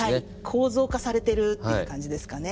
構造化されてるっていう感じですかね。